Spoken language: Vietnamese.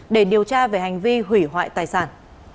để điều tra về hành vi hủy hoại tài sản